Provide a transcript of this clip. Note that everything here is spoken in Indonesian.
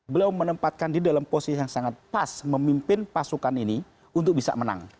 beliau menempatkan di dalam posisi yang sangat pas memimpin pasukan ini untuk bisa menang